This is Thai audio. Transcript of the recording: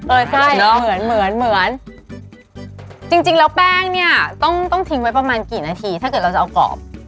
ไส้เหมือนเหมือนจริงแล้วแป้งเนี่ยต้องทิ้งไว้ประมาณกี่นาทีถ้าเกิดเราจะเอากรอบ